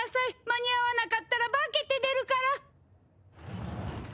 間に合わなかったら化けて出るから！